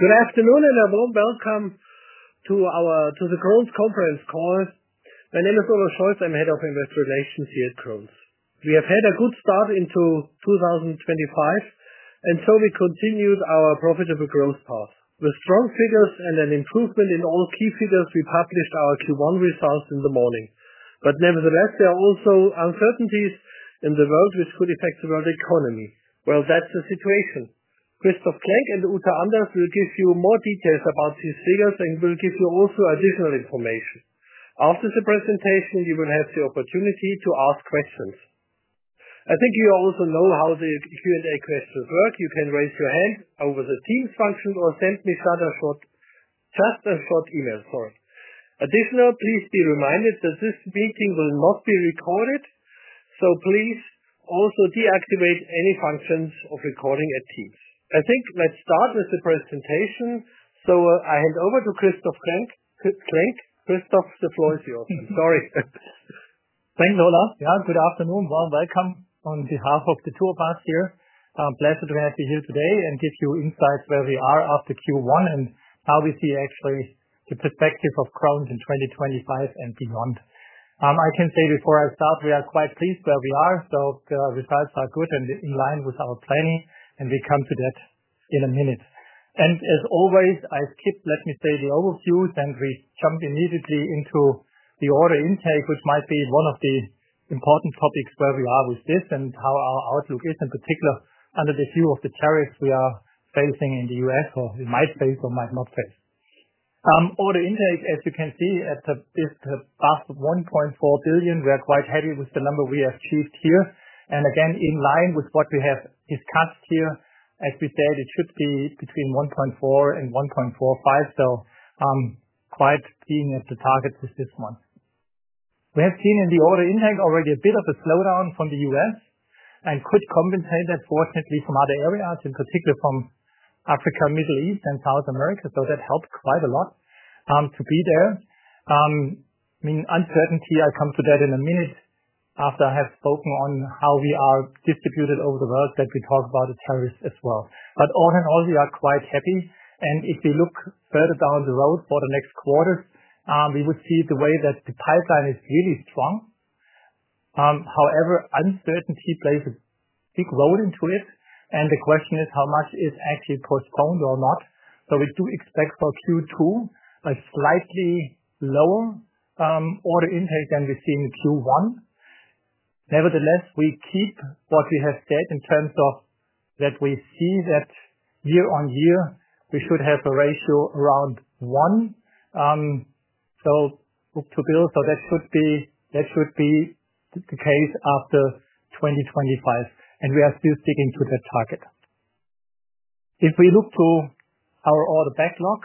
Good afternoon and a warm welcome to the Krones Conference call. My name is Olaf Scholz, I'm head of investor relations here at Krones. We have had a good start into 2025, and so we continued our profitable growth path. With strong figures and an improvement in all key figures, we published our Q1 results in the morning. But nevertheless, there are also uncertainties in the world which could affect the world economy. Well, that's the situation. Christoph Klenk and Uta Anders will give you more details about these figures and will give you also additional information. After the presentation, you will have the opportunity to ask questions. I think you also know how the Q&A questions work. You can raise your hand over the Teams function or send me just a short email. Additionally, please be reminded that this meeting will not be recorded, so please also deactivate any functions of recording at Teams. I think let's start with the presentation, so I hand over to Christoph Klenk. Christoph, the floor is yours. I'm sorry. Thanks, Olaf. Yes, good evening and warm welcome on behalf of the two of us here. Pleasure to have you here today and give you insights where we are after Q1 and how we see actually the perspective of Krones in 2025 and beyond. I can say before I start, we are quite pleased where we are, so the results are good and in line with our planning, and we come to that in a minute. As always, I skip, let me say, the overviews and we jump immediately into the order intake, which might be one of the important topics where we are with this and how our outlook is in particular under the view of the tariffs we are facing in the US or we might face or might not face. Order intake, as you can see, is above €1.4 billion. We are quite happy with the number we have achieved here. Again, in line with what we have discussed here, as we said, it should be between 1.4 and 1.45, so quite keen at the targets with this one. We have seen in the order intake already a bit of a slowdown from the US and could compensate that, fortunately, from other areas, in particular from Africa, Middle East, and South America, so that helped quite a lot to be there. Uncertainty, I come to that in a minute after I have spoken on how we are distributed over the world that we talk about the tariffs as well. But all in all, we are quite happy, and if we look further down the road for the next quarter, we would see the way that the pipeline is really strong. However, uncertainty plays a big role into it, and the question is how much is actually postponed or not. We do expect for Q2 a slightly lower order intake than we've seen in Q1. Nevertheless, we keep what we have said in terms of that we see that year on year we should have a ratio around one, so book to bill, so that should be the case after 2025, and we are still sticking to that target. If we look to our order backlog,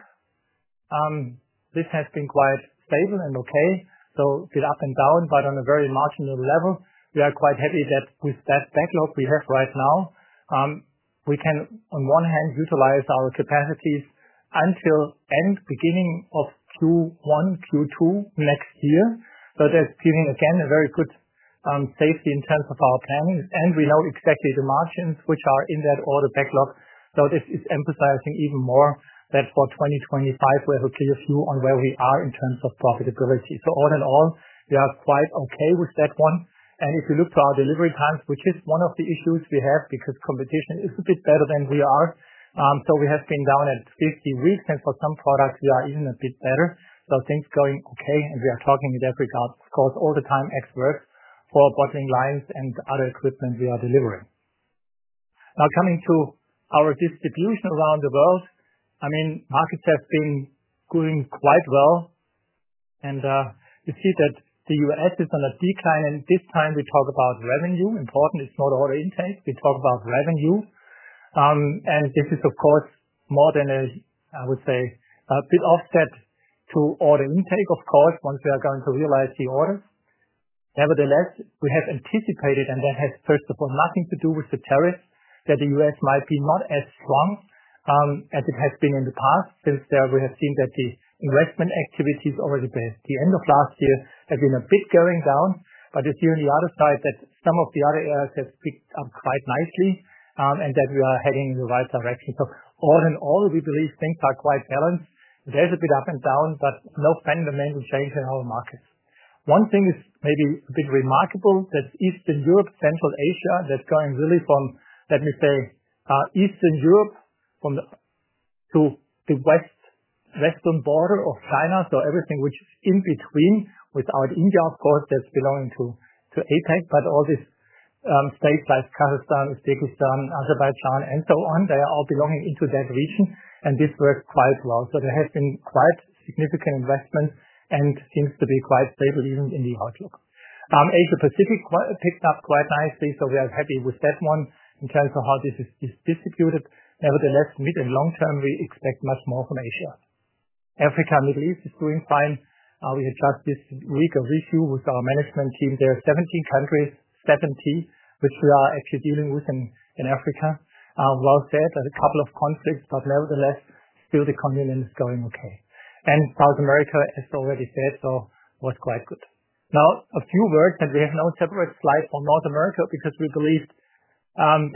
this has been quite stable and okay, so a bit up and down, but on a very marginal level. We are quite happy that with that backlog we have right now, we can on one hand utilize our capacities until the beginning of Q1, Q2 next year. That's giving again a very good safety in terms of our planning, and we know exactly the margins which are in that order backlog. This is emphasizing even more that for 2025 we have a clear view on where we are in terms of profitability. All in all, we are quite okay with that one. If you look to our delivery times, which is one of the issues we have because competition is a bit better than we are, we have been down at 50 weeks, and for some products we are even a bit better. Things going okay, and we are talking in that regard, of course, all the time ex-works for bottling lines and other equipment we are delivering. Now coming to our distribution around the world, I mean, markets have been going quite well, and you see that the US is on a decline, and this time we talk about revenue. Important, it's not order intake. We talk about revenue, and this is of course more than a bit offset to order intake, of course, once we are going to realize the orders. Nevertheless, we have anticipated, and that has first of all nothing to do with the tariffs, that the US might be not as strong as it has been in the past since we have seen that the investment activities over the end of last year have been going down, but you see on the other side that some of the other areas have picked up quite nicely and that we are heading in the right direction. All in all, we believe things are quite balanced. There's a bit up and down, but no fundamental change in our markets. One thing is maybe a bit remarkable that's Eastern Europe, Central Asia, that's going really from, let me say, Eastern Europe to the western border of China, everything which is in between without India, of course, that's belonging to APAC, but all these states like Kazakhstan, Uzbekistan, Azerbaijan, and on, they are all belonging into that region, and this works quite well. There has been quite significant investment and seems to be quite stable even in the outlook. Asia Pacific picked up quite nicely, we are happy with that one in terms of how this is distributed. Nevertheless, mid and long term, we expect much more from Asia. Africa, Middle East is doing fine. We had just this week a review with our management team. There are 17 countries, 70, which we are actually dealing with in Africa. Well said, a couple of conflicts, but nevertheless, still the continent is going okay. South America, as already said, was quite good. Now, a few words, and we have no separate slide for North America because we believed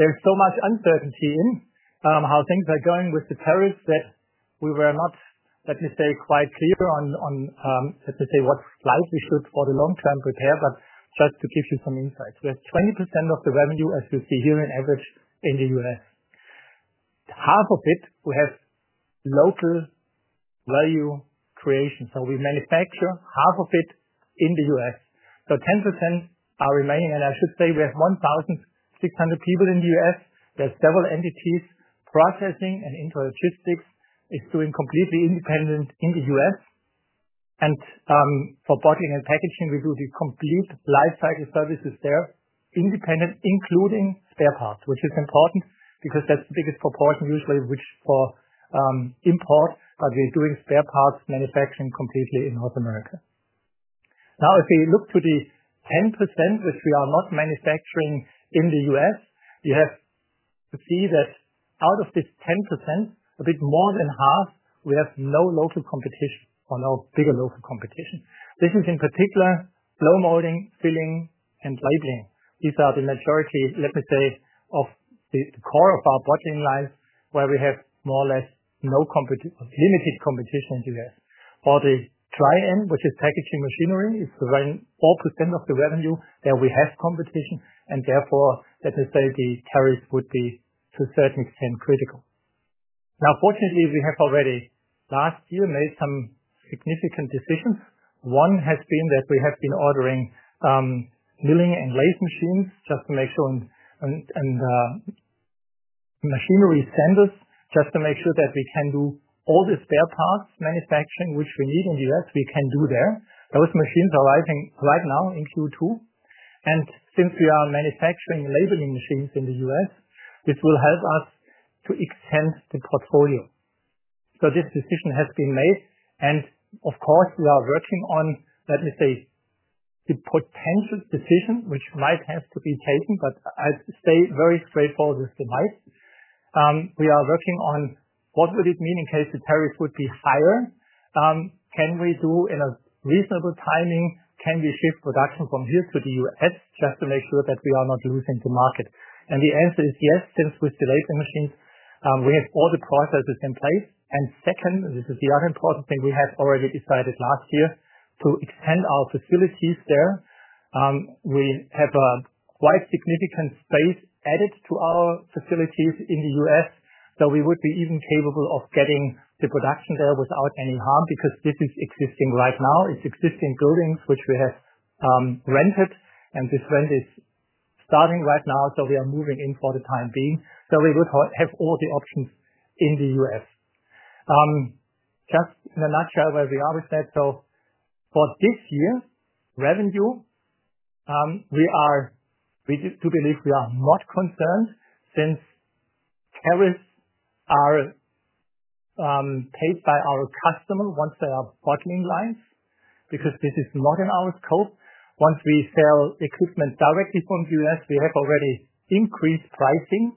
there's so much uncertainty in how things are going with the tariffs that we were not quite clear on what slide we should for the long-term prepare, but just to give you some insights. We have 20% of the revenue, as you see here, on average in the US. Half of it, we have local value creation, so we manufacture half of it in the US. 10% are remaining, and I should say we have 1,600 people in the U.S. There are several entities processing, and into logistics is doing completely independent in the U.S. For bottling and packaging, we do the complete life cycle services there, independent, including spare parts, which is important because that's the biggest proportion usually which for import, but we're doing spare parts manufacturing completely in North America. Now, if we look to the 10% which we are not manufacturing in the U.S., we have to see that out of this 10%, a bit more than half, we have no local competition or no bigger local competition. This is in particular blow molding, filling, and labeling. These are the majority, let me say, of the core of our bottling lines where we have more or less no limited competition in the U.S. For the dry end, which is packaging machinery, it's around 4% of the revenue where we have competition, and therefore, the tariffs would be to a certain extent critical. Now, fortunately, we have already last year made some significant decisions. One has been that we have been ordering milling and lathe machines just to make sure and machining centers just to make sure that we can do all the spare parts manufacturing which we need in the US, we can do there. Those machines are arriving right now in Q2. Since we are manufacturing labeling machines in the US, this will help us to extend the portfolio. This decision has been made, and of course, we are working on the potential decision which might have to be taken, but I'd say very straightforward is the might. We are working on what would it mean in case the tariffs would be higher. Can we do in a reasonable timing, can we shift production from here to the US just to make sure that we are not losing the market? The answer is yes, since with the labeling machines, we have all the processes in place. Second, this is the other important thing we have already decided last year to extend our facilities there. We have a quite significant space added to our facilities in the US, so we would be even capable of getting the production there without any harm because this is existing right now. It's existing buildings which we have rented, and this rent is starting right now, so we are moving in for the time being. So we would have all the options in the US. Just in a nutshell, where we are with that, so for this year's revenue, we are to believe we are not concerned since tariffs are paid by our customers once they are bottling lines because this is not in our scope. Once we sell equipment directly from the US, we have already increased pricing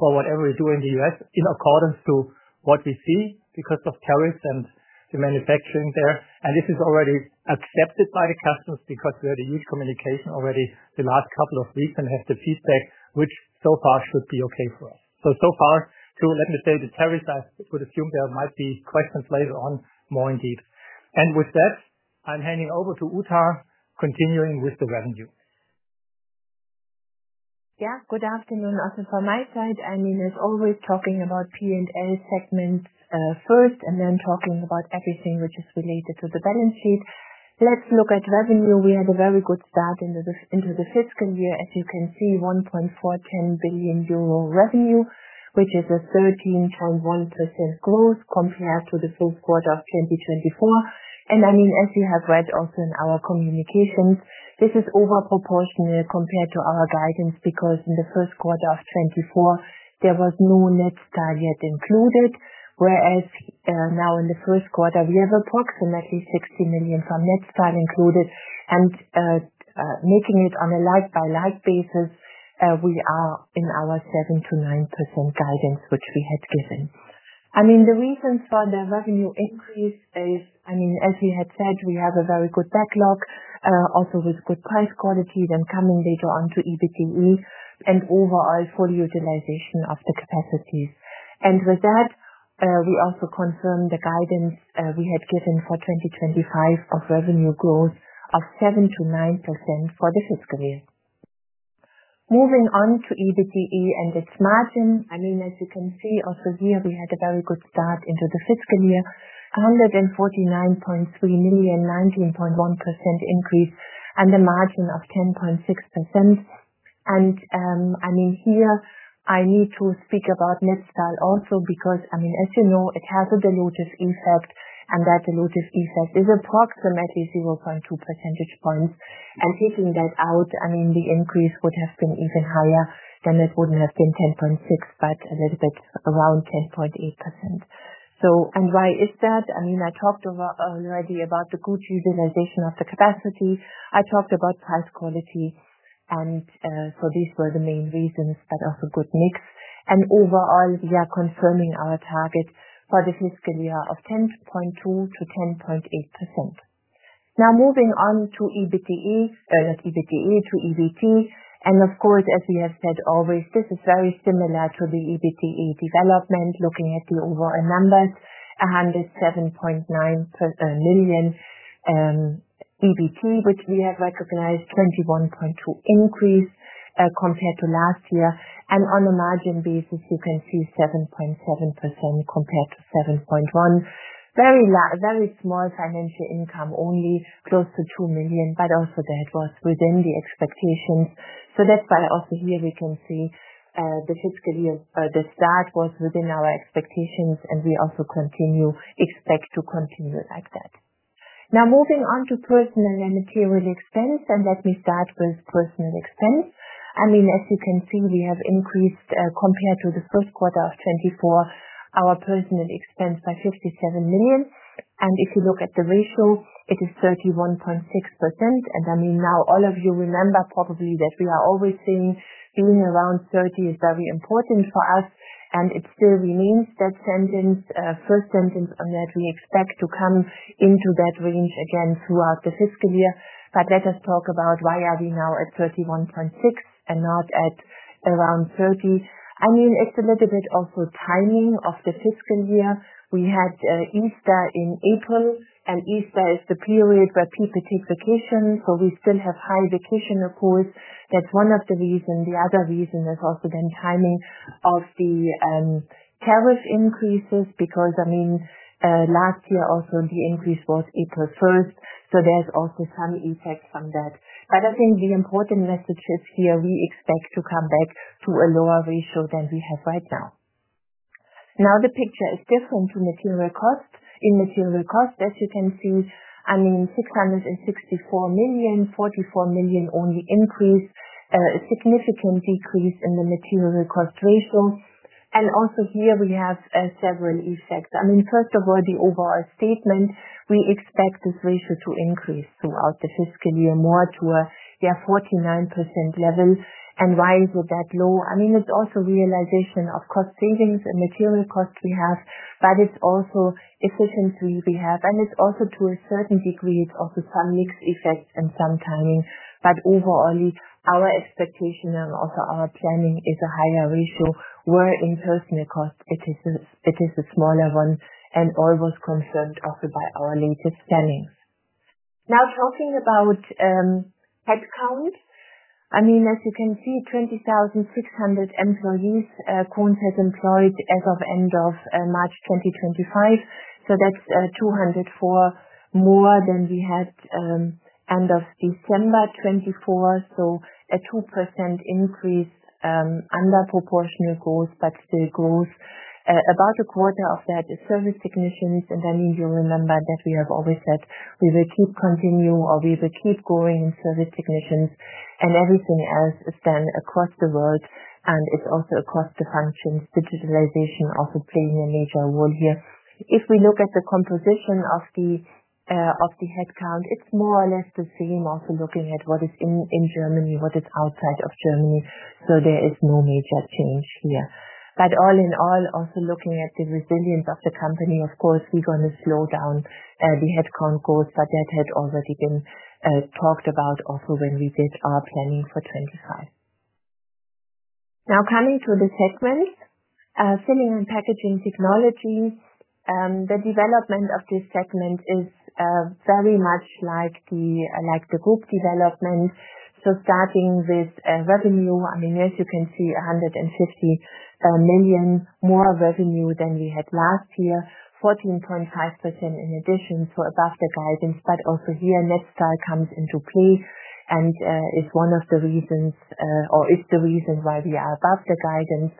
for whatever we do in the US in accordance to what we see because of tariffs and the manufacturing there. This is already accepted by the customers because we had a huge communication already the last couple of weeks and have the feedback which so far should be okay for us. So far too, let me say the tariffs, I would assume there might be questions later on more indeed. With that, I'm handing over to Uta continuing with the revenue. Ja, guten Abend und auch von meiner Seite. I mean, as always, talking about P&L segments first and then talking about everything which is related to the balance sheet. Let's look at revenue. We had a very good start into the fiscal year. As you can see, €1.410 billion revenue, which is a 13.1% growth compared to the full quarter of 2024. I mean, as you have read also in our communications, this is overproportionate compared to our guidance because in the first quarter of '24, there was no Netstal yet included, whereas now in the first quarter, we have approximately €60 million from Netstal included. Making it on a like-by-like basis, we are in our 7% to 9% guidance which we had given. The reasons for the revenue increase is, as we had said, we have a very good backlog, also with good price quality then coming later on to EBITDA and overall full utilization of the capacities. With that, we also confirmed the guidance we had given for 2025 of revenue growth of 7% to 9% for the fiscal year. Moving on to EBITDA and its margin, as you can see also here, we had a very good start into the fiscal year, $149.3 million, 19.1% increase and a margin of 10.6%. Here I need to speak about Netstal also because, as you know, it has a dilutive effect and that dilutive effect is approximately 0.2 percentage points. Taking that out, I mean, the increase would have been even higher than it wouldn't have been 10.6%, but a little bit around 10.8%. Why is that? I mean, I talked already about the good utilization of the capacity. I talked about price quality, and these were the main reasons, but also good mix. Overall, we are confirming our target for the fiscal year of 10.2% to 10.8%. Now moving on to EBT, not EBIT, to EBT. Of course, as we have said always, this is very similar to the EBIT development, looking at the overall numbers, $107.9 million EBT, which we have recognized 21.2% increase compared to last year. On a margin basis, you can see 7.7% compared to 7.1%. Very small financial income only, close to $2 million, but also that was within the expectations. That's why also here we can see the fiscal year start was within our expectations and we also continue expect to continue like that. Moving on to personal and material expense, and let me start with personnel expense. As you can see, we have increased compared to the first quarter of '24, our personnel expense by $57 million. If you look at the ratio, it is 31.6%. Now all of you remember probably that we are always saying being around 30% is very important for us, and it still remains that sentence, first sentence on that we expect to come into that range again throughout the fiscal year. Let us talk about why are we now at 31.6% and not at around 30%. It's a little bit also timing of the fiscal year. We had Easter in April, and Easter is the period where people take vacation, so we still have high vacation, of course. That's one of the reasons. The other reason is also the timing of the tariff increases because last year also the increase was April 1st, so there's also some effect from that. But I think the important message here is we expect to come back to a lower ratio than we have right now. The picture is different for material cost. In material cost, as you can see, $664 million, $44 million only increase, a significant decrease in the material cost ratio. Also here we have several effects. First of all, the overall statement, we expect this ratio to increase throughout the fiscal year more to a 49% level and why is it that low? I mean, it's also realization of cost savings and material cost we have, but it's also efficiency we have. It's also to a certain degree, it's also some mixed effects and some timing. But overall, our expectation and also our planning is a higher ratio where in personnel cost it is a smaller one and always confirmed also by our latest plannings. Now talking about headcount, I mean, as you can see, 20,600 employees Krones has employed as of end of March 2025. So that's 204 more than we had end of December 2024, so a 2% increase under proportional growth, but still growth. About a quarter of that is service technicians. I mean, you'll remember that we have always said we will keep continuing or we will keep growing in service technicians. Everything else is then across the world, and it's also across the functions. Digitalization also playing a major role here. If we look at the composition of the headcount, it's more or less the same, also looking at what is in Germany, what is outside of Germany. So there is no major change here. But all in all, also looking at the resilience of the company, of course, we're going to slow down the headcount growth, but that had already been talked about also when we did our planning for '25. Now coming to the segments, filling and packaging technology, the development of this segment is very much like the group development. Starting with revenue, I mean, as you can see, $150 million more revenue than we had last year, 14.5% in addition, so above the guidance. But also here, Netstal comes into play and is one of the reasons or is the reason why we are above the guidance.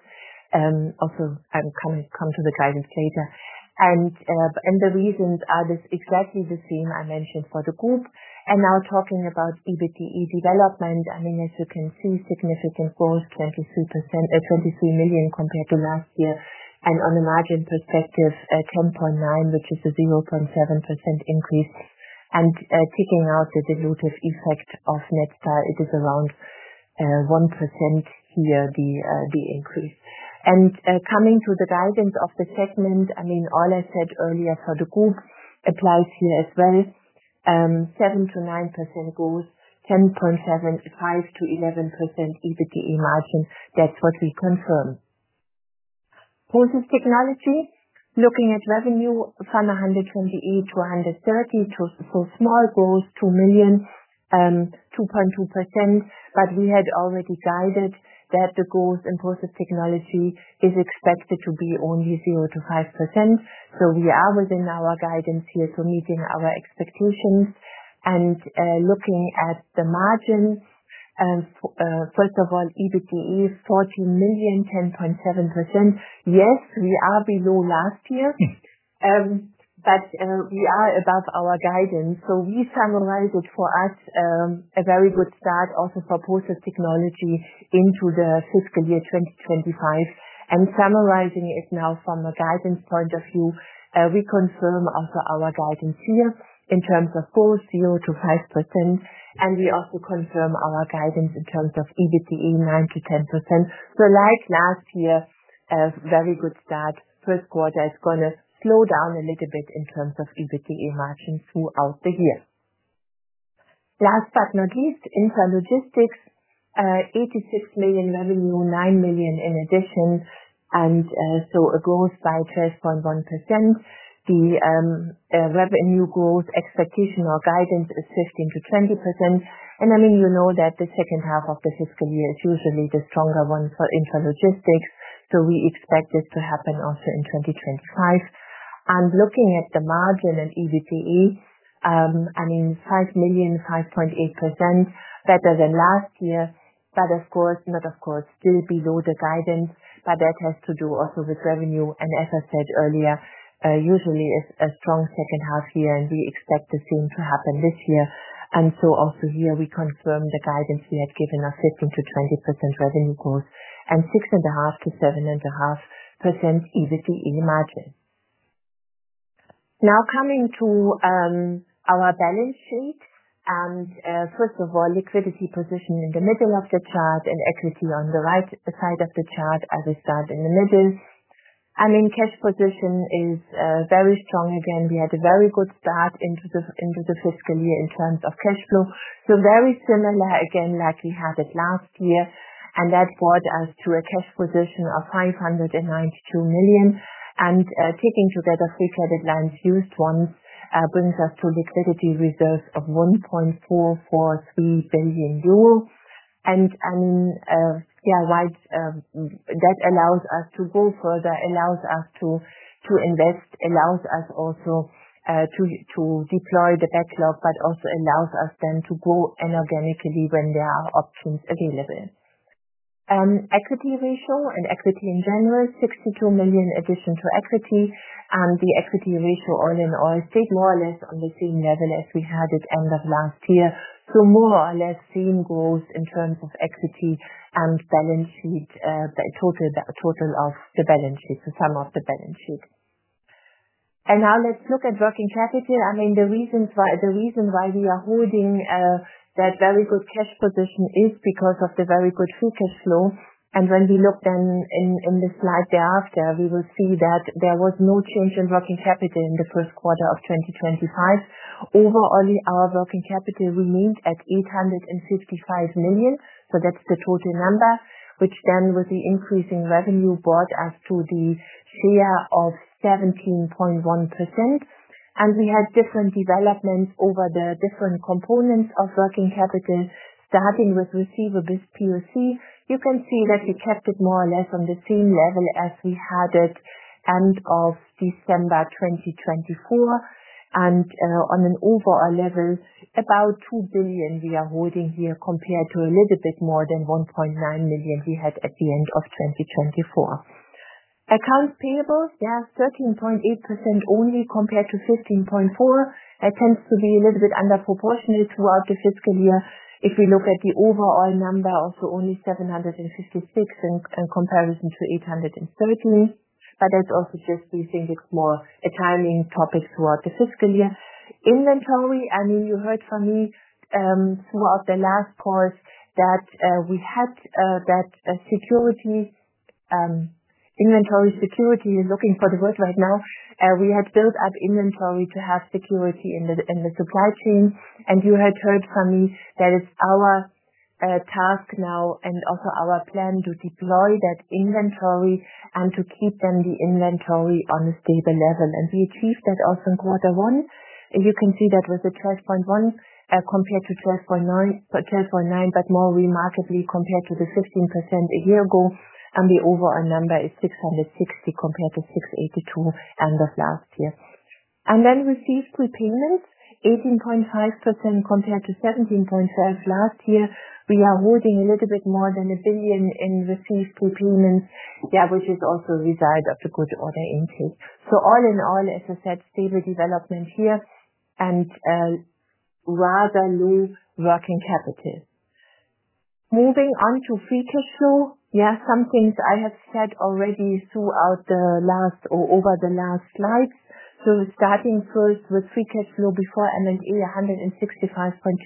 Also, I'm coming to the guidance later. The reasons are exactly the same I mentioned for the group. Now talking about EBITDA development, I mean, as you can see, significant growth, $23 million compared to last year. On a margin perspective, 10.9%, which is a 0.7% increase. Taking out the dilutive effect of Netstal, it is around 1% here, the increase. Coming to the guidance of the segment, I mean, all I said earlier for the group applies here as well. 7% to 9% growth, 10.75% to 11% EBITDA margin, that's what we confirm. Process technology, looking at revenue, from $128 to $130, so small growth, $2 million, 2.2%. But we had already guided that the growth in process technology is expected to be only 0% to 5%. So we are within our guidance here for meeting our expectations. Looking at the margins, first of all, EBITDA, $14 million, 10.7%. Yes, we are below last year, but we are above our guidance. So we summarize it for us, a very good start also for process technology into the fiscal year 2025. Summarizing it now from a guidance point of view, we confirm also our guidance here in terms of growth, 0% to 5%. We also confirm our guidance in terms of EBITDA, 9% to 10%. So like last year, very good start. First quarter is going to slow down a little bit in terms of EBITDA margins throughout the year. Last but not least, intralogistics, $86 million revenue, $9 million in addition, and so a growth by 12.1%. The revenue growth expectation or guidance is 15% to 20%. You know that the second half of the fiscal year is usually the stronger one for intralogistics, so we expect this to happen also in 2025. Looking at the margin and EBITDA, $5 million, 5.8%, better than last year, but still below the guidance. That has to do also with revenue. As I said earlier, usually it's a strong second half year, and we expect the same to happen this year. So also here, we confirm the guidance we had given of 15% to 20% revenue growth and 6.5% to 7.5% EBITDA margin. Now coming to our balance sheet, first of all, liquidity position in the middle of the chart and equity on the right side of the chart as we start in the middle. The cash position is very strong again. We had a very good start into the fiscal year in terms of cash flow. Very similar again like we had it last year. That brought us to a cash position of €592 million. Taking together free credit lines unused ones brings us to liquidity reserves of €1.443 billion. That allows us to go further, allows us to invest, allows us also to deploy the backlog, but also allows us then to grow inorganically when there are options available. Equity ratio and equity in general, €62 million addition to equity. The equity ratio all in all stayed more or less on the same level as we had at end of last year. More or less same growth in terms of equity and balance sheet, total of the balance sheet, the sum of the balance sheet. Now let's look at working capital. I mean, the reason why we are holding that very good cash position is because of the very good free cash flow. When we look then in the slide thereafter, we will see that there was no change in working capital in the first quarter of 2025. Overall, our working capital remained at $855 million. So that's the total number, which then with the increasing revenue brought us to the share of 17.1%. We had different developments over the different components of working capital, starting with receivables POC. You can see that we kept it more or less on the same level as we had it end of December 2024. On an overall level, about $2 billion we are holding here compared to a little bit more than $1.9 billion we had at the end of 2024. Accounts payable, yeah, 13.8% only compared to 15.4%. That tends to be a little bit underproportionate throughout the fiscal year. If we look at the overall number, also only 756 in comparison to 813. But that's also just we think it's more a timing topic throughout the fiscal year. Inventory, I mean, you heard from me throughout the last calls that we had that security, inventory security, looking for the word right now. We had built up inventory to have security in the supply chain. You had heard from me that it's our task now and also our plan to deploy that inventory and to keep then the inventory on a stable level. We achieved that also in quarter one. You can see that was 12.1% compared to 12.9%, but more remarkably compared to the 15% a year ago. The overall number is 660 compared to 682 end of last year. Received prepayments, 18.5% compared to 17.5% last year. We are holding a little bit more than a billion in received prepayments, which is also a result of the good order intake. All in all, as I said, stable development here and rather low working capital. Moving on to free cash flow, some things I have said already throughout the last or over the last slides. Starting first with free cash flow before M&A, $165.2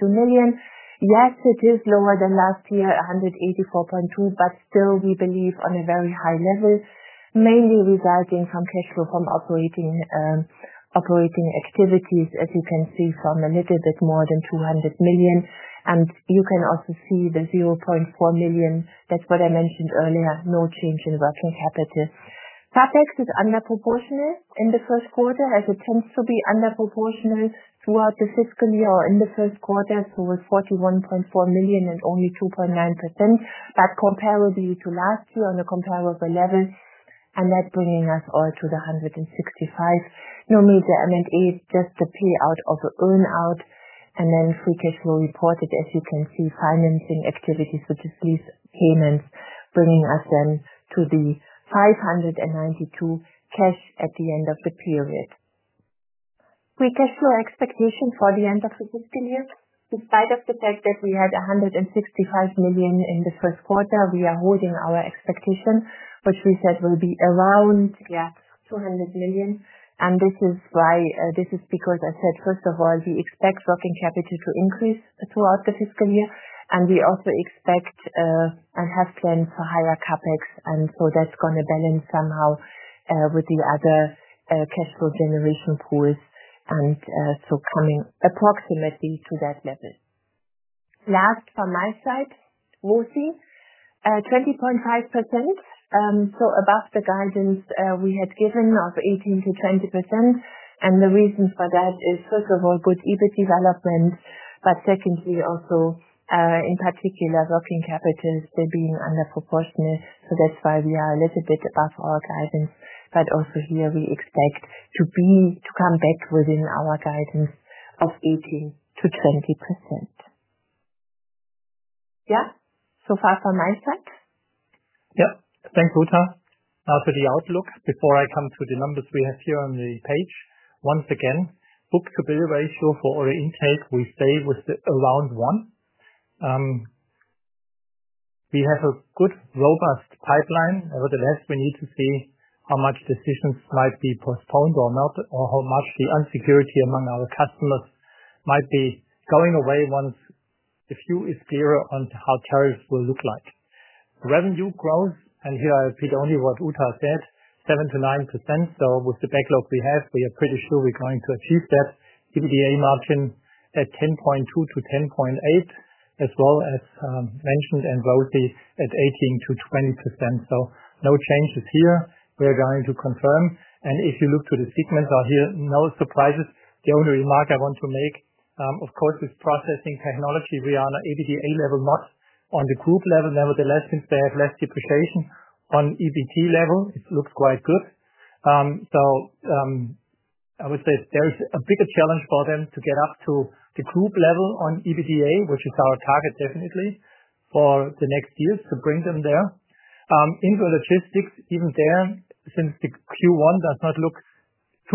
million. Yes, it is lower than last year, $184.2 million, but still we believe on a very high level, mainly resulting from cash flow from operating activities, as you can see from a little bit more than $200 million. You can also see the $0.4 million. That's what I mentioned earlier, no change in working capital. CapEx is underproportionate in the first quarter, as it tends to be underproportionate throughout the fiscal year or in the first quarter, so with $41.4 million and only 2.9%, but comparatively to last year on a comparable level. That bringing us all to the $165 million. No major M&A, just the payout of earnout. Then free cash flow reported, as you can see, financing activities, which is lease payments, bringing us then to the $592 million cash at the end of the period. Free cash flow expectation for the end of the fiscal year. Despite the fact that we had $165 million in the first quarter, we are holding our expectation, which we said will be around $200 million. This is because, first of all, we expect working capital to increase throughout the fiscal year. We also expect and have plans for higher CapEx. That's going to balance somehow with the other cash flow generation pools. So coming approximately to that level. Last from my side, ROCE, 20.5%. So above the guidance we had given of 18% to 20%. The reason for that is, first of all, good EBIT development, but secondly, also in particular, working capital is still being underproportionate. That's why we are a little bit above our guidance. But also here, we expect to come back within our guidance of 18% to 20%. So far from my side. Thanks, Uta. Now to the outlook. Before I come to the numbers we have here on the page, once again, book-to-bill ratio for order intake, we stay with around one. We have a good robust pipeline. Nevertheless, we need to see how much decisions might be postponed or not, or how much the uncertainty among our customers might be going away once the view is clearer on how tariffs will look like. Revenue growth, and here I repeat only what Uta said, 7% to 9%. So with the backlog we have, we are pretty sure we're going to achieve that. EBITDA margin at 10.2% to 10.8%, as well as mentioned and ROCE at 18% to 20%. So no changes here. We're going to confirm. If you look to the segments out here, no surprises. The only remark I want to make, of course, is processing technology. We are on an EBITDA level, not on the group level. Nevertheless, since they have less depreciation on EBT level, it looks quite good. I would say there is a bigger challenge for them to get up to the group level on EBITDA, which is our target definitely for the next years to bring them there. Intralogistics, even there, since the Q1 does not look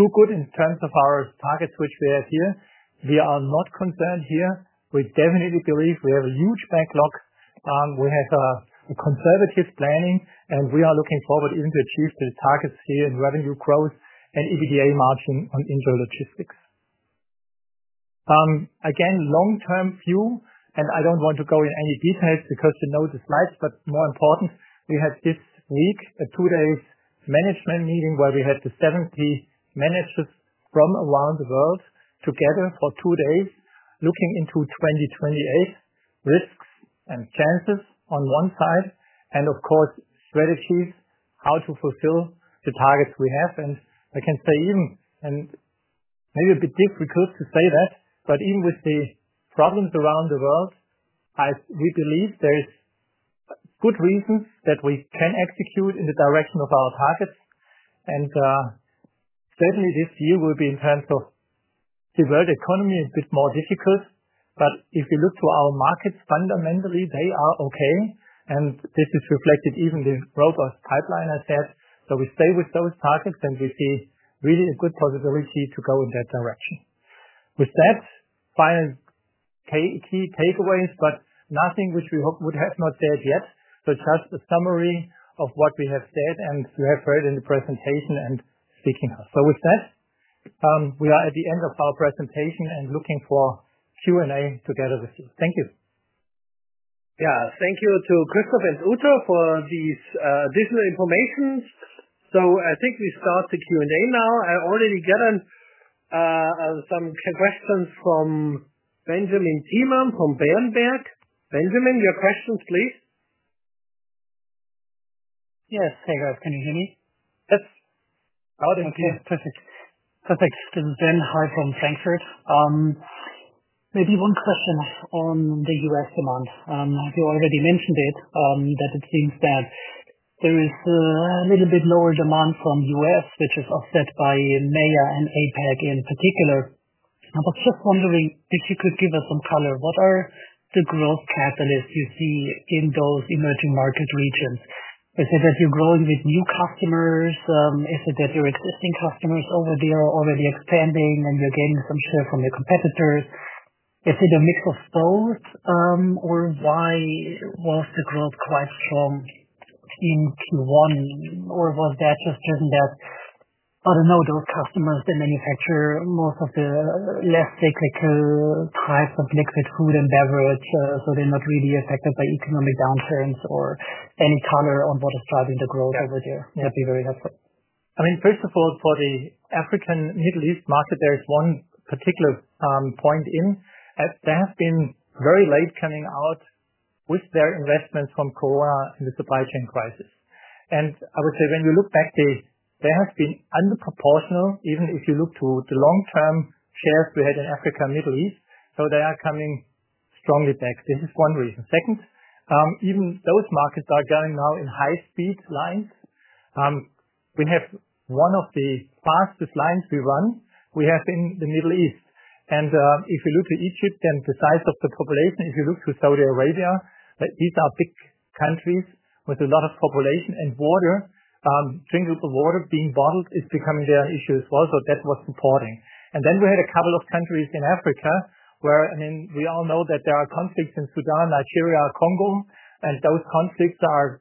too good in terms of our targets which we have here, we are not concerned here. We definitely believe we have a huge backlog. We have a conservative planning, and we are looking forward even to achieve the targets here in revenue growth and EBITDA margin on intralogistics. Again, long-term view, and I don't want to go in any details because you know the slides, but more important, we had this week a two-day management meeting where we had the 70 managers from around the world together for two days, looking into 2028 risks and chances on one side, and of course, strategies, how to fulfill the targets we have. I can say even, and maybe a bit difficult to say that, but even with the problems around the world, we believe there is good reasons that we can execute in the direction of our targets. Certainly this year will be in terms of the world economy a bit more difficult. But if you look to our markets fundamentally, they are okay. This is reflected even in the robust pipeline I said. We stay with those targets, and we see really a good possibility to go in that direction. With that, final key takeaways, but nothing which we would have not said yet. Just a summary of what we have said and you have heard in the presentation and speaking of. With that, we are at the end of our presentation and looking for Q&A together with you. Thank you. Yeah, thank you to Christoph and Uta for these additional information. I think we start the Q&A now. I already got some questions from Benjamin Thielmann from Berenberg. Benjamin, your questions, please. Yes, hey guys, can you hear me? Yes. Loud and clear. Okay, perfect. Perfect. This is Ben, hi from Frankfurt. Maybe one question on the US demand. You already mentioned it, that it seems that there is a little bit lower demand from the US, which is offset by MEA and APAC in particular. I was just wondering if you could give us some color. What are the growth catalysts you see in those emerging market regions? Is it that you're growing with new customers? Is it that your existing customers over there are already expanding and you're getting some share from your competitors? Is it a mix of both, or why was the growth quite strong in Q1, or was that just driven that, I don't know, those customers, they manufacture most of the less cyclical types of liquid food and beverage, so they're not really affected by economic downturns or any color on what is driving the growth over there? That'd be very helpful. I mean, first of all, for the Africa Middle East market, there is one particular point. They have been very late coming out with their investments from Corona and the supply chain crisis. I would say when you look back, there has been underproportional, even if you look to the long-term shares we had in Africa and Middle East, so they are coming strongly back. This is one reason. Second, even those markets are going now in high-speed lines. We have one of the fastest lines we run. We have in the Middle East. If you look to Egypt, then the size of the population, if you look to Saudi Arabia, these are big countries with a lot of population and water, drinkable water being bottled is becoming their issue as well. So that was supporting. We had a couple of countries in Africa where, I mean, we all know that there are conflicts in Sudan, Nigeria, Congo, and those conflicts are,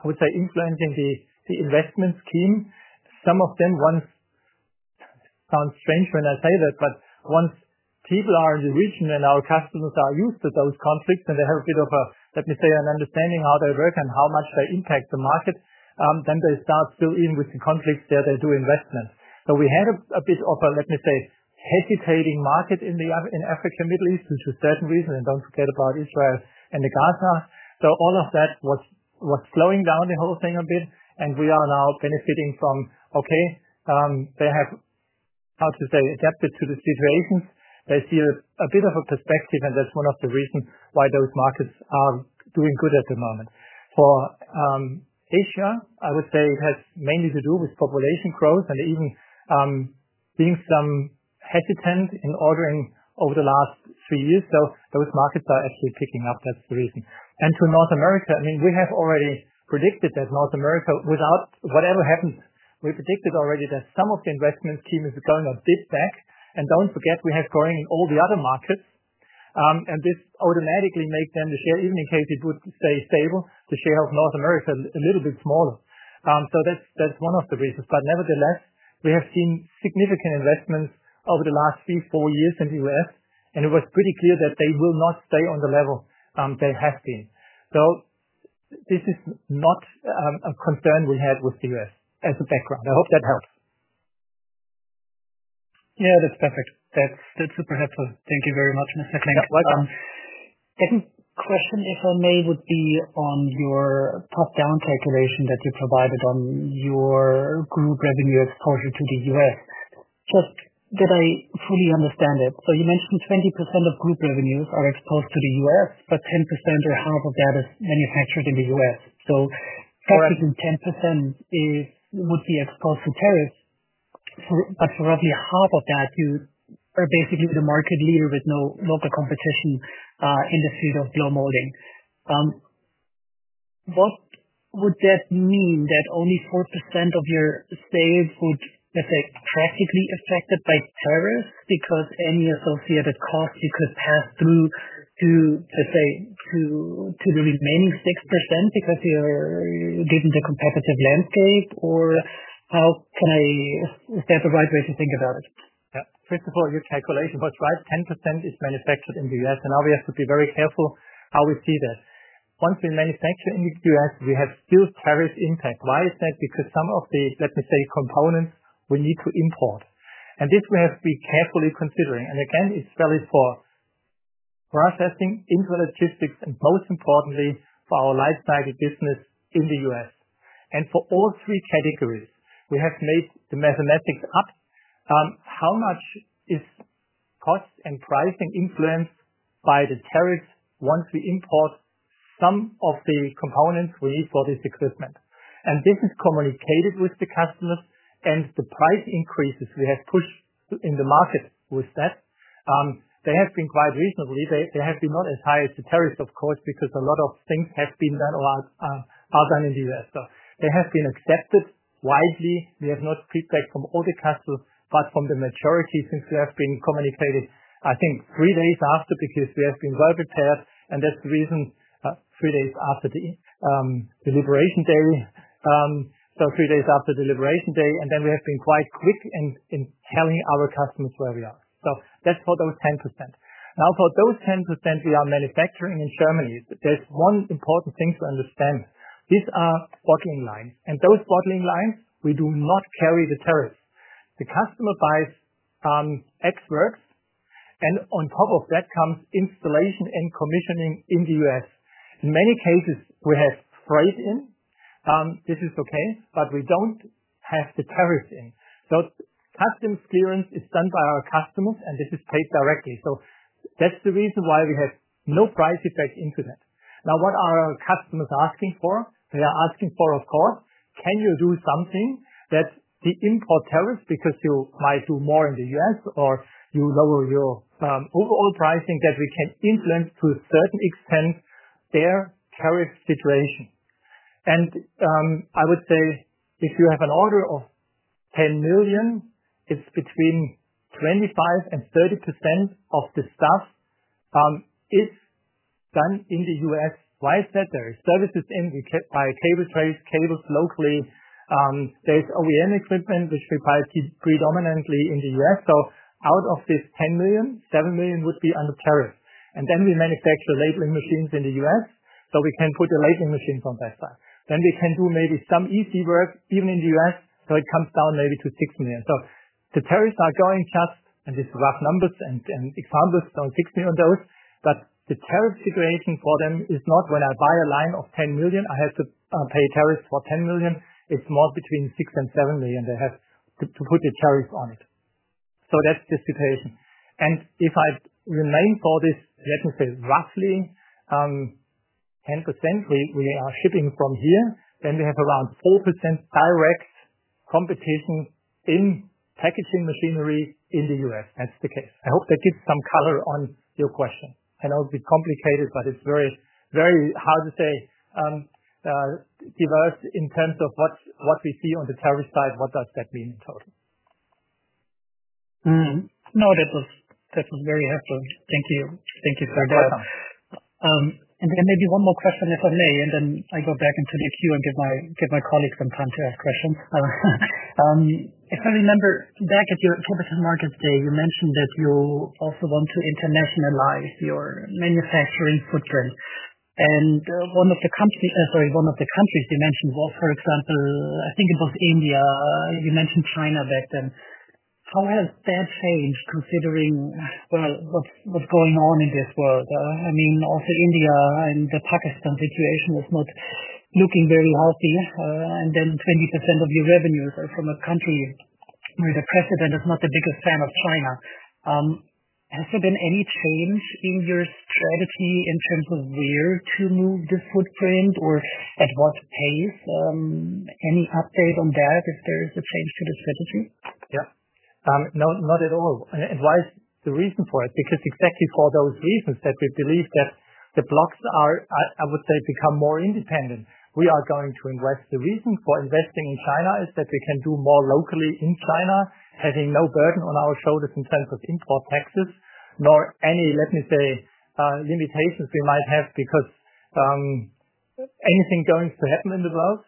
I would say, influencing the investment scheme. Some of them, once sounds strange when I say that, but once people are in the region and our customers are used to those conflicts and they have a bit of an understanding how they work and how much they impact the market, then they start still even with the conflicts there, they do investments. So we had a bit of a hesitating market in the Africa Middle East due to certain reasons, and don't forget about Israel and Gaza. All of that was slowing down the whole thing a bit. We are now benefiting from, okay, they have, how to say, adapted to the situations. They see a bit of a perspective, and that's one of the reasons why those markets are doing good at the moment. For Asia, I would say it has mainly to do with population growth and even being some hesitant in ordering over the last three years. So those markets are actually picking up. That's the reason. To North America, I mean, we have already predicted that North America, without whatever happens, we predicted already that some of the investment scheme is going a bit back. Don't forget, we have growing in all the other markets. This automatically makes then the share, even in case it would stay stable, the share of North America a little bit smaller. That's one of the reasons. But nevertheless, we have seen significant investments over the last three, four years in the U.S., and it was pretty clear that they will not stay on the level they have been. So this is not a concern we had with the U.S. as a background. I hope that helps. Yeah, that's perfect. That's super helpful. Thank you very much, Mr. Klenk. Welcome. Second question, if I may, would be on your top-down calculation that you provided on your group revenue exposure to the U.S. Just that I fully understand it. So you mentioned 20% of group revenues are exposed to the U.S., but 10% or half of that is manufactured in the U.S. So 10% would be exposed to tariffs, but roughly half of that, you are basically the market leader with no local competition in the field of blow molding. What would that mean? That only 4% of your sales would, let's say, practically be affected by tariffs because any associated cost you could pass through to, let's say, to the remaining 96% because you're given the competitive landscape? Or how can I... is that the right way to think about it? Yeah. First of all, your calculation was right. 10% is manufactured in the US. Now we have to be very careful how we see that. Once we manufacture in the US, we still have tariff impact. Why is that? Because some of the, let me say, components we need to import. This we have to be carefully considering. Again, it's valid for processing, intralogistics, and most importantly, for our life cycle business in the US. For all three categories, we have made the mathematics up. How much is cost and pricing influenced by the tariffs once we import some of the components we need for this equipment? This is communicated with the customers. The price increases we have pushed in the market with that have been quite reasonable. They have been not as high as the tariffs, of course, because a lot of things have been done or are done in the US. They have been accepted widely. We have not feedback from all the customers, but from the majority since we have been communicated, I think, three days after because we have been well prepared. That's the reason, three days after the deliberation day. Three days after deliberation day. We have been quite quick in telling our customers where we are. That's for those 10%. Now, for those 10%, we are manufacturing in Germany. There's one important thing to understand. These are bottling lines. And those bottling lines, we do not carry the tariffs. The customer buys ex works. And on top of that comes installation and commissioning in the US. In many cases, we have freight in. This is okay, but we don't have the tariffs in. So customs clearance is done by our customers, and this is paid directly. So that's the reason why we have no price effect into that. Now, what are our customers asking for? They are asking for, of course, can you do something that the import tariffs, because you might do more in the US or you lower your overall pricing, that we can influence to a certain extent their tariff situation. And I would say if you have an order of $10 million, it's between 25% and 30% of the stuff is done in the US. Why is that? There are services in cable trades, cables locally. There's OEM equipment, which we buy predominantly in the U.S. So out of this $10 million, $7 million would be under tariff. And then we manufacture labeling machines in the U.S., so we can put the labeling machines on that side. Then we can do maybe some easy work even in the U.S., so it comes down maybe to $6 million. So the tariffs are going just, and these rough numbers and examples don't fix me on those, but the tariff situation for them is not when I buy a line of $10 million, I have to pay tariffs for $10 million. It's more between $6 million and $7 million they have to put the tariffs on it. So that's the situation. If I remain for this, let me say, roughly 10%, we are shipping from here, then we have around 4% direct competition in packaging machinery in the US. That's the case. I hope that gives some color on your question. I know it's complicated, but it's very hard to say diverse in terms of what we see on the tariff side. What does that mean in total? No, that was very helpful. Thank you. Thank you for that. Maybe one more question, if I may, then I go back into the queue and give my colleagues some time to ask questions. If I remember back at your capital markets day, you mentioned that you also want to internationalize your manufacturing footprint. One of the companies, sorry, one of the countries you mentioned was, for example, I think it was India. You mentioned China back then. How has that changed considering, well, what's going on in this world? I mean, also India and the Pakistan situation is not looking very healthy. And then 20% of your revenues are from a country where the president is not the biggest fan of China. Has there been any change in your strategy in terms of where to move the footprint or at what pace? Any update on that if there is a change to the strategy? Yeah. No, not at all. Why is the reason for it? Because exactly for those reasons that we believe that the blocs are, I would say, become more independent. We are going to invest. The reason for investing in China is that we can do more locally in China, having no burden on our shoulders in terms of import taxes, nor any limitations we might have because of anything going to happen in the world.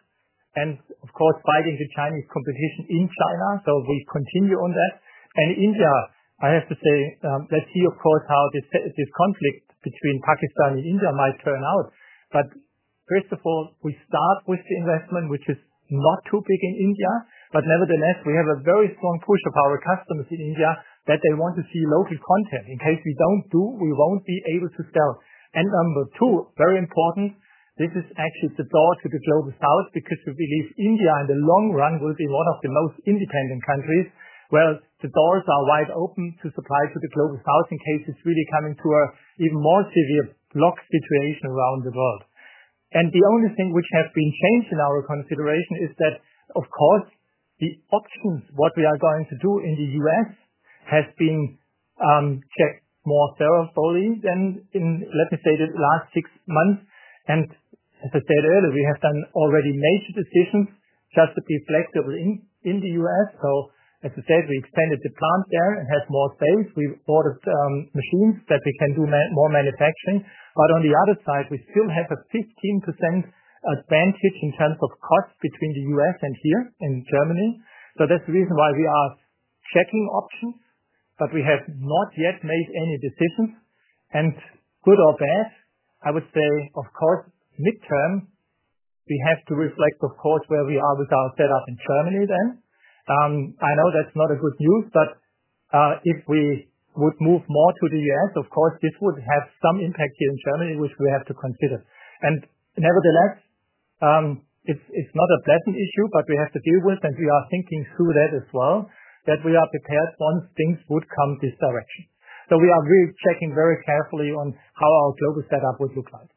Of course, fighting the Chinese competition in China. We continue on that. India, I have to say, let's see how this conflict between Pakistan and India might turn out. First of all, we start with the investment, which is not too big in India. Nevertheless, we have a very strong push from our customers in India that they want to see local content. In case we don't do it, we won't be able to sell. Number two, very important, this is actually the door to the Global South because we believe India in the long run will be one of the most independent countries. The doors are wide open to supply to the Global South in case it's really coming to an even more severe bloc situation around the world. The only thing which has been changed in our consideration is that, of course, the options, what we are going to do in the U.S. has been checked more thoroughly than in, let me say, the last six months. As I said earlier, we have done already major decisions just to be flexible in the U.S. So as I said, we expanded the plant there and have more space. We ordered machines that we can do more manufacturing. But on the other side, we still have a 15% advantage in terms of cost between the US and here in Germany. That's the reason why we are checking options, but we have not yet made any decisions. Good or bad, I would say, of course, midterm, we have to reflect, of course, where we are with our setup in Germany then. I know that's not good news, but if we would move more to the US, of course, this would have some impact here in Germany, which we have to consider. Nevertheless, it's not a pleasant issue, but we have to deal with it, and we are thinking through that as well, that we are prepared once things would come this direction. We are really checking very carefully on how our global setup would look like.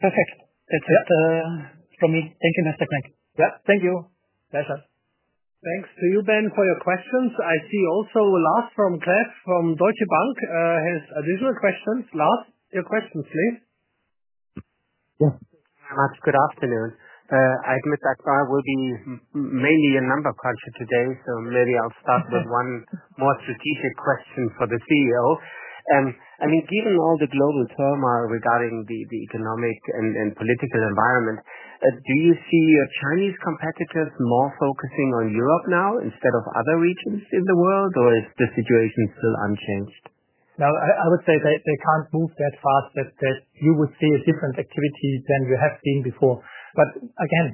Perfect. That's it from me. Thank you, Mr. Klenk. Yeah. Thank you. Pleasure. Thanks to you, Ben, for your questions. I see also Lars vom Cleff from Deutsche Bank has additional questions. Lars, your questions, please. Yes. Thank you very much. Good afternoon. I admit that I will be mainly a number cruncher today, so maybe I'll start with one more strategic question for the CEO. I mean, given all the global turmoil regarding the economic and political environment, do you see your Chinese competitors more focusing on Europe now instead of other regions in the world, or is the situation still unchanged? No, I would say they can't move that fast that you would see a different activity than we have seen before. But again,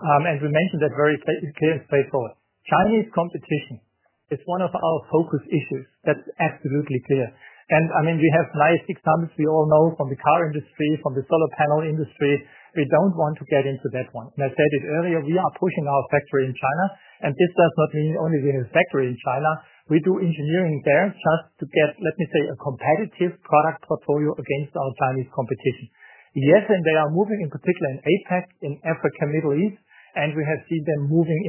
and we mentioned that very clear and straightforward. Chinese competition is one of our focus issues. That's absolutely clear. I mean, we have nice examples we all know from the car industry, from the solar panel industry. We don't want to get into that one. I said it earlier, we are pushing our factory in China. This does not mean only we have a factory in China. We do engineering there just to get, let me say, a competitive product portfolio against our Chinese competition. Yes, and they are moving in particular in APAC, in Africa Middle East, and we have seen them moving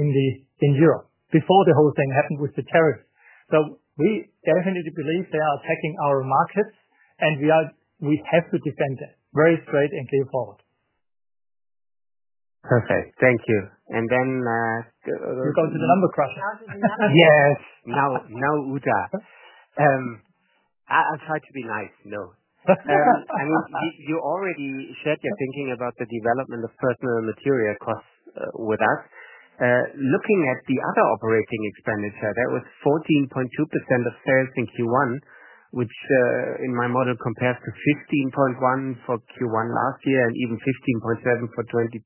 in Europe before the whole thing happened with the tariffs. So we definitely believe they are attacking our markets, and we have to defend them very straight and clear forward. Perfect. Thank you. Then we'll go to the number question. Yes. Now, Uta. I'll try to be nice. No. I mean, you already shared your thinking about the development of personal material costs with us. Looking at the other operating expenditure, there was 14.2% of sales in Q1, which in my model compares to 15.1% for Q1 last year and even 15.7% for 2024.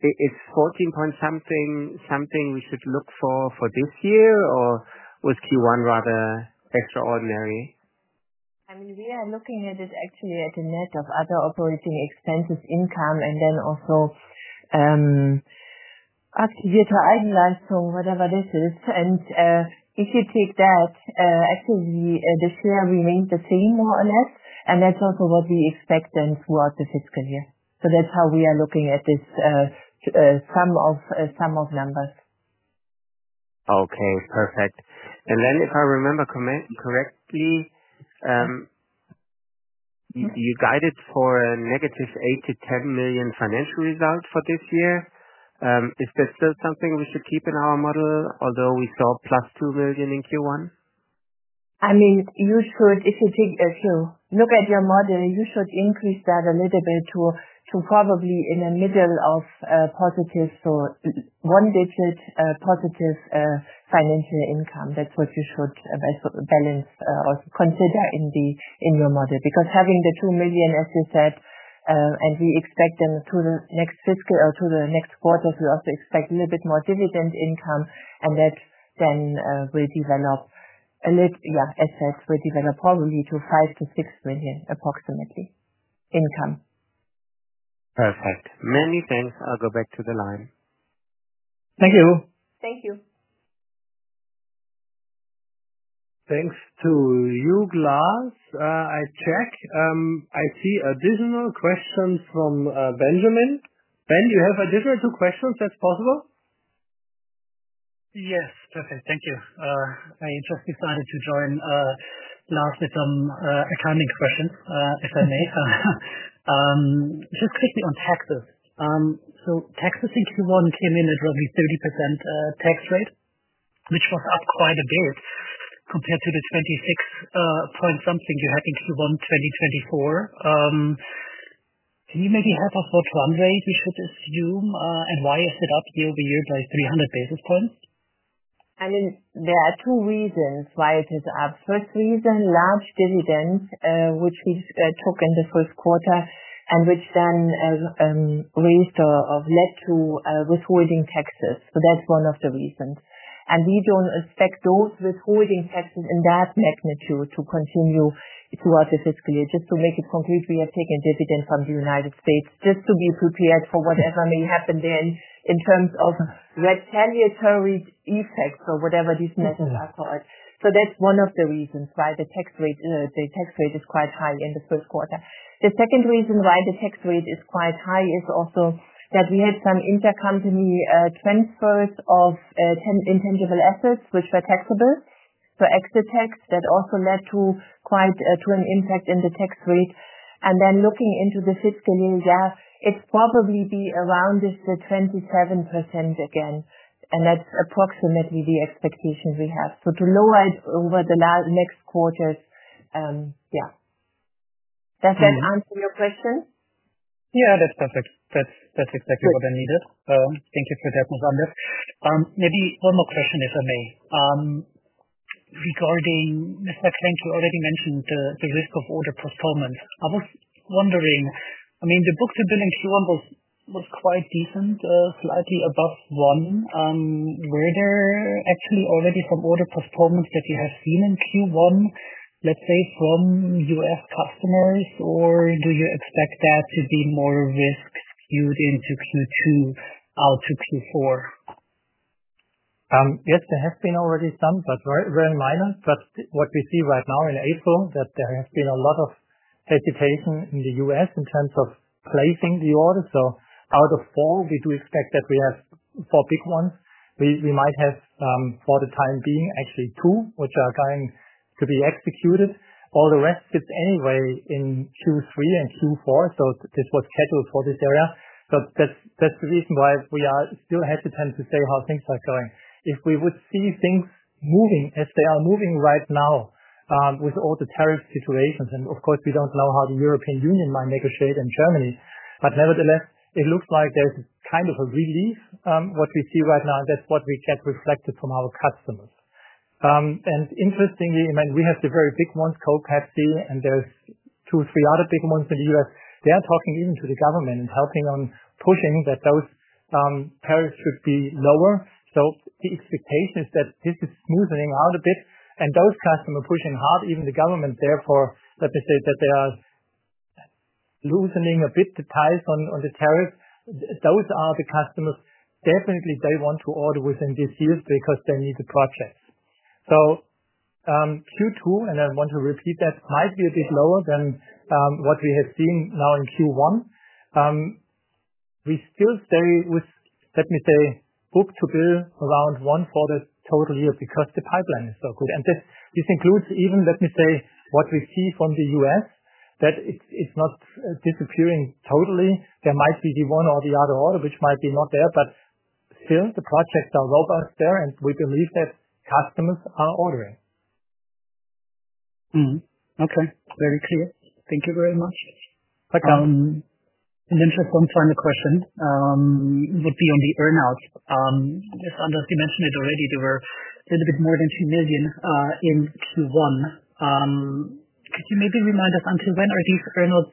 Is 14% something we should look for this year, or was Q1 rather extraordinary? I mean, we are looking at it actually at a net of other operating expenses, income, and then also whatever this is. If you take that, actually the share remains the same more or less, and that's also what we expect then throughout the fiscal year. So that's how we are looking at this sum of numbers. Okay. Perfect. Then if I remember correctly, you guided for a negative $8 to $10 million financial result for this year. Is that still something we should keep in our model, although we saw $2 million in Q1? I mean, you should, if you look at your model, you should increase that a little bit to probably in the middle of positive, so one digit positive financial income. That's what you should balance or consider in your model. Because having the $2 million, as you said, and we expect them through the next fiscal or through the next quarter, we also expect a little bit more dividend income, and that then will develop a little. Assets will develop probably to $5 to $6 million approximately income. Perfect. Many thanks. I'll go back to the line. Thank you. Thank you. Thanks to you, Lars. I check. I see additional questions from Benjamin. Ben, you have additional two questions. That's possible? Yes. Perfect. Thank you. I just decided to join last with some accounting questions, if I may. Just quickly on taxes. Taxes in Q1 came in at roughly 30% tax rate, which was up quite a bit compared to the 26 point something you had in Q1 2024. Can you maybe help us what run rate we should assume and why is it up year over year by 300 basis points? I mean, there are two reasons why it is up. First reason, large dividends, which we took in the first quarter and which then raised or led to withholding taxes. That's one of the reasons. We don't expect those withholding taxes in that magnitude to continue throughout the fiscal year. Just to make it concrete, we have taken dividend from the United States just to be prepared for whatever may happen there in terms of retaliatory effects or whatever these methods are called. So that's one of the reasons why the tax rate is quite high in the first quarter. The second reason why the tax rate is quite high is also that we had some intercompany transfers of intangible assets, which were taxable. So exit tax that also led to quite an impact in the tax rate. Looking into the fiscal year, it's probably going to be around the 27% again. That's approximately the expectation we have. So to lower it over the next quarters. Does that answer your question? Yeah, that's perfect. That's exactly what I needed. Thank you for that, Ms. Anders. Maybe one more question, if I may. Regarding, Mr. Klenk, you already mentioned the risk of order postponements. I was wondering, I mean, the book-to-bill in Q1 was quite decent, slightly above one. Were there actually already some order postponements that you have seen in Q1, let's say, from US customers, or do you expect that to be more risk skewed into Q2 out to Q4? Yes, there have been already some, but very minor. But what we see right now in April, that there has been a lot of hesitation in the US in terms of placing the order. So out of four, we do expect that we have four big ones. We might have for the time being actually two, which are going to be executed. All the rest fits anyway in Q3 and Q4. So this was scheduled for this area. So that's the reason why we are still hesitant to say how things are going. If we would see things moving as they are moving right now with all the tariff situations, and of course, we don't know how the European Union might negotiate in Germany, but nevertheless, it looks like there's kind of a relief what we see right now, and that's what we get reflected from our customers. Interestingly, I mean, we have the very big ones, Coke Pepsi, and there's two, three other big ones in the US. They are talking even to the government and helping on pushing that those tariffs should be lower. The expectation is that this is smoothening out a bit. Those customers pushing hard, even the government, therefore, let me say that they are loosening a bit the ties on the tariff. Those are the customers definitely they want to order within this year because they need the projects. Q2, and I want to repeat that, might be a bit lower than what we have seen now in Q1. We still stay with, let me say, book-to-bill around one for the total year because the pipeline is so good. This includes even, let me say, what we see from the US, that it's not disappearing totally. There might be the one or the other order which might be not there, but still the projects are robust there, and we believe that customers are ordering. Very clear. Thank you very much. An interesting final question would be on the earnouts. Ms. Anders, you mentioned it already. There were a little bit more than $2 million in Q1. Could you maybe remind us until when are these earnouts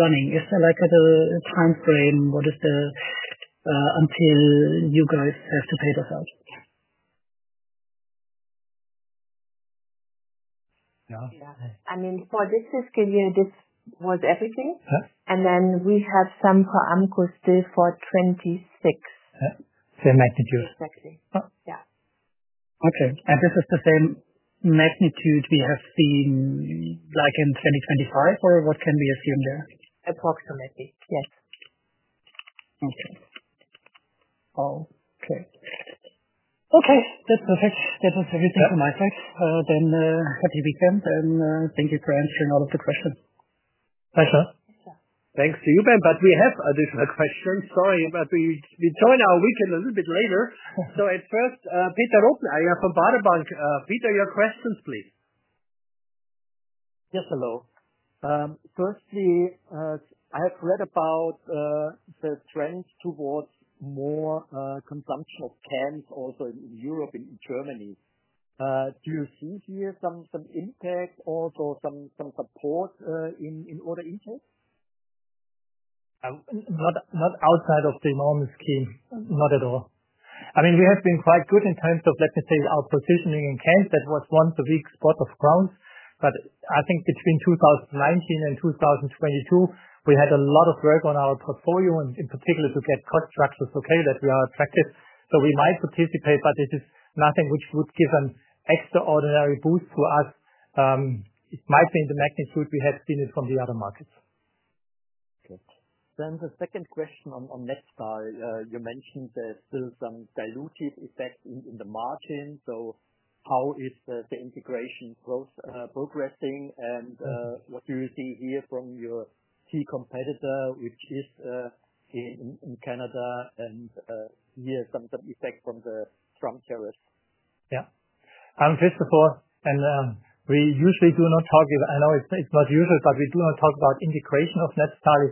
running? Is there like a time frame? What is the until you guys have to pay those out? I mean, for this fiscal year, this was everything. We have some for Ampco still for 26. Same magnitude. Exactly. Okay. This is the same magnitude we have seen like in 2025, or what can we assume there? Approximately. Yes. Okay. That's perfect. That was everything from my side. Happy weekend, and thank you for answering all of the questions. Pleasure. Thanks to you, Ben, but we have additional questions. Sorry, but we join our weekend a little bit later. At first, Peter Rothenaicher from Baader Bank. Peter, your questions, please. Yes. Hello. Firstly, I have read about the trend towards more consumption of cans also in Europe and in Germany. Do you see here some impact, also some support in order intake? Not outside of the enormous scheme. Not at all. I mean, we have been quite good in terms of, let me say, our positioning in cans. That was once a weak spot of ours. But I think between 2019 and 2022, we had a lot of work on our portfolio, and in particular to get cost structures okay, that we are attractive. So we might participate, but this is nothing which would give an extraordinary boost to us. It might be in the magnitude we have seen it from the other markets. Okay. Then the second question on Netstal. You mentioned there's still some dilutive effect in the margin. So how is the integration progressing, and what do you see here from your key competitor, which is in Canada, and here some effect from the Trump tariffs? First of all, and we usually do not talk about, I know it's not usual, but we do not talk about integration of Netstal.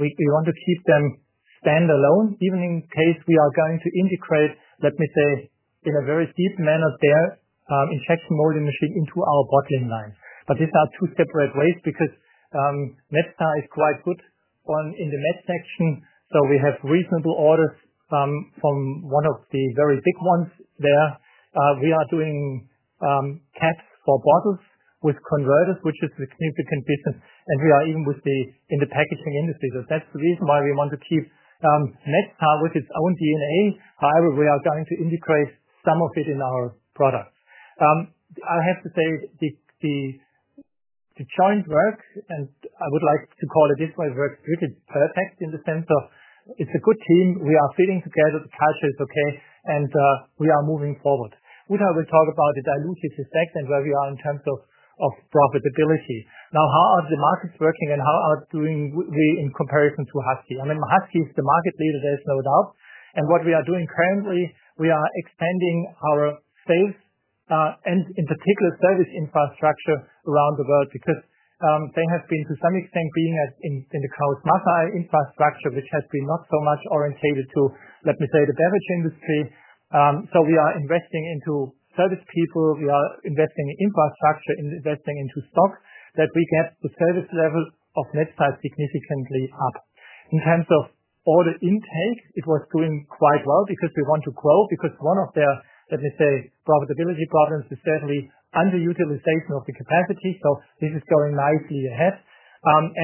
We want to keep them standalone, even in case we are going to integrate, let me say, in a very deep manner their injection molding machine into our bottling lines. But these are two separate ways because Netstal is quite good in the med section. So we have reasonable orders from one of the very big ones there. We are doing caps for bottles with converters, which is a significant business. We are even with the in the packaging industry. So that's the reason why we want to keep Netstal with its own DNA. However, we are going to integrate some of it in our products. I have to say the joint work, and I would like to call it this way, works really perfect in the sense of it's a good team. We are fitting together. The culture is okay, and we are moving forward. Uta will talk about the diluted effect and where we are in terms of profitability. Now, how are the markets working, and how are we in comparison to Husky? I mean, Husky is the market leader, there's no doubt. What we are doing currently, we are expanding our sales and in particular service infrastructure around the world because they have been to some extent being in the Krones infrastructure, which has been not so much orientated to, let me say, the beverage industry. So we are investing into service people. We are investing in infrastructure, investing into stock that we get the service level of Netstal significantly up. In terms of order intake, it was doing quite well because we want to grow because one of their, let me say, profitability problems is certainly underutilization of the capacity. So this is going nicely ahead.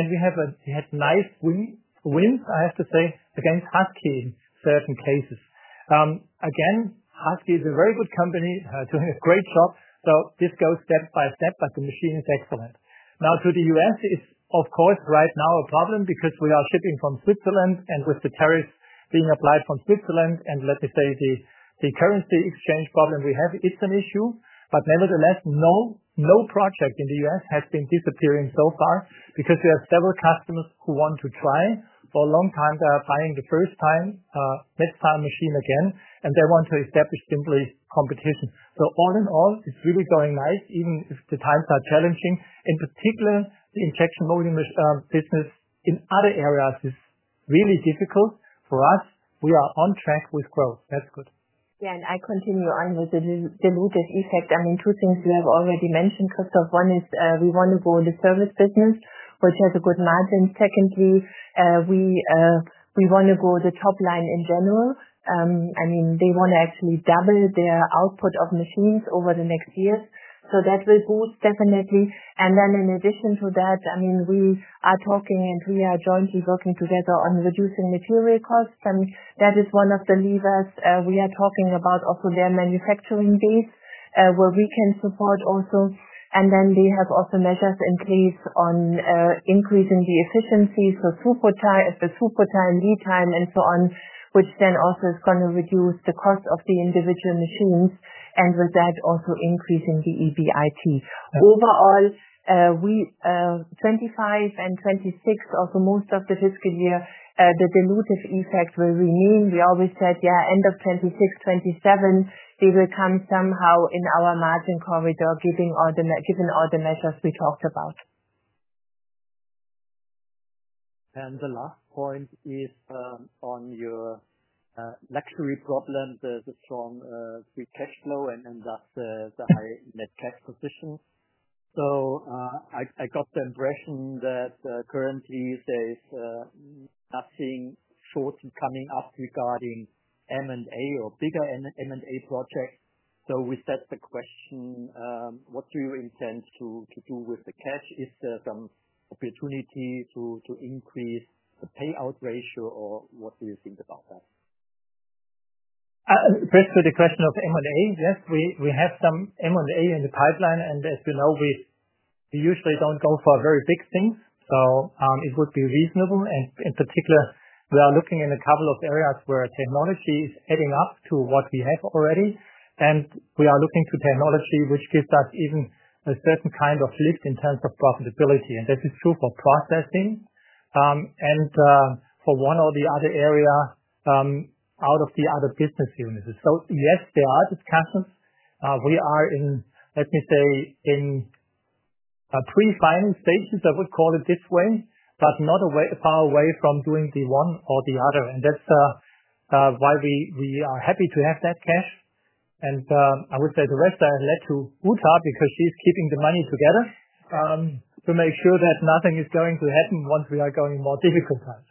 We had nice wins, I have to say, against Husky in certain cases. Again, Husky is a very good company doing a great job. This goes step by step, but the machine is excellent. Now, to the US, it's of course right now a problem because we are shipping from Switzerland and with the tariffs being applied from Switzerland. Let me say the currency exchange problem we have, it's an issue. Nevertheless, no project in the US has been disappearing so far because we have several customers who want to try. For a long time, they are buying the first-time Netstal machine again, and they want to establish simply competition. All in all, it's really going nice, even if the times are challenging. In particular, the injection molding business in other areas is really difficult for us. We are on track with growth. That's good. I continue on with the diluted effect. I mean, two things you have already mentioned, Christoph. One is we want to go in the service business, which has a good margin. Secondly, we want to go the top line in general. I mean, they want to actually double their output of machines over the next years. That will boost definitely. In addition to that, I mean, we are talking and we are jointly working together on reducing material costs. That is one of the levers we are talking about also their manufacturing base where we can support also. They have also measures in place on increasing the efficiencies, the throughput time, lead time, and so on, which then also is going to reduce the cost of the individual machines and with that also increasing the EBIT. Overall, 25 and 26, also most of the fiscal year, the diluted effect will remain. We always said, yeah, end of 26, 27, they will come somehow in our margin corridor given all the measures we talked about. The last point is on your luxury problem, the strong free cash flow and thus the high net cash position. I got the impression that currently there is nothing shortly coming up regarding M&A or bigger M&A projects. We set the question, what do you intend to do with the cash? Is there some opportunity to increase the payout ratio or what do you think about that? First, with the question of M&A, yes, we have some M&A in the pipeline. As you know, we usually don't go for very big things. So it would be reasonable. In particular, we are looking in a couple of areas where technology is adding up to what we have already. We are looking to technology, which gives us even a certain kind of lift in terms of profitability. This is true for processing and for one or the other area out of the other business units. So yes, there are discussions. We are in, let me say, in pre-final stages, I would call it this way, but not far away from doing the one or the other. That's why we are happy to have that cash. I would say the rest I have led to Uta because she's keeping the money together to make sure that nothing is going to happen once we are going through more difficult times.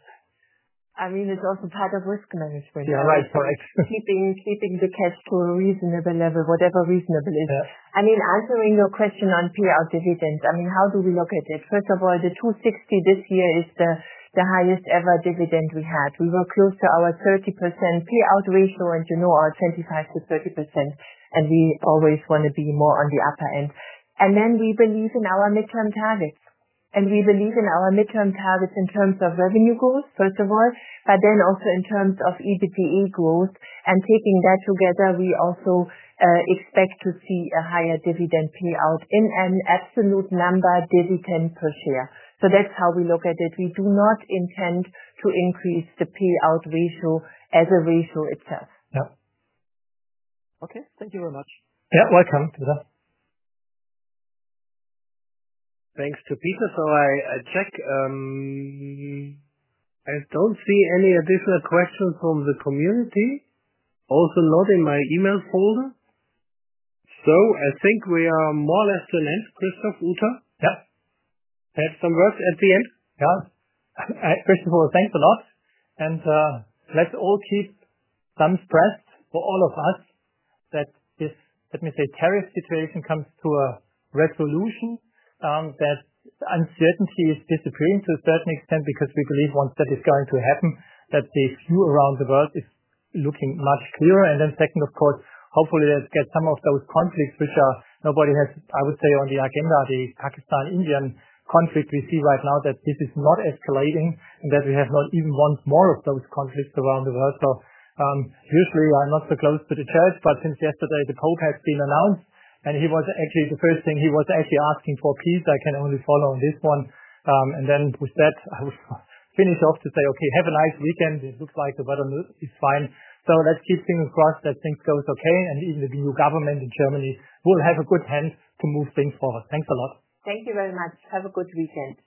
I mean, it's also part of risk management. Yeah, right. Correct. Keeping the cash to a reasonable level, whatever reasonable is. I mean, answering your question on payout dividends, I mean, how do we look at it? First of all, the $260 this year is the highest ever dividend we had. We were close to our 30% payout ratio and our 25% to 30%. We always want to be more on the upper end. We believe in our midterm targets. We believe in our midterm targets in terms of revenue growth, first of all, but then also in terms of EBITDA growth. Taking that together, we also expect to see a higher dividend payout in an absolute number, dividend per share. That's how we look at it. We do not intend to increase the payout ratio as a ratio itself. Okay. Thank you very much. Welcome, Peter. Thanks to Peter. I check. I don't see any additional questions from the community. Also not in my email folder. I think we are more or less done, Christoph, Uta. Have some words at the end. First of all, thanks a lot. Let's all keep thumbs pressed for all of us that this, let me say, tariff situation comes to a resolution, that uncertainty is disappearing to a certain extent because we believe once that is going to happen, that the view around the world is looking much clearer. Second, of course, hopefully let's get some of those conflicts which nobody has, I would say, on the agenda, the Pakistan-Indian conflict. We see right now that this is not escalating and that we have not even one more of those conflicts around the world. Usually I'm not so close to the church, but since yesterday, the Pope has been announced, and he was actually the first thing he was actually asking for peace. I can only follow on this one. With that, I will finish off to say, okay, have a nice weekend. It looks like the weather is fine. Let's keep fingers crossed that things go okay. Even the new government in Germany will have a good hand to move things forward. Thanks a lot. Thank you very much. Have a good weekend. Thank you.